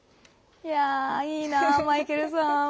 いいなマイケルさん！